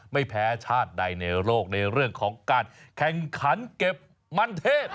ไม่แพ้ชาติใดในโลกในเรื่องของการแข่งขันเก็บมันเทศ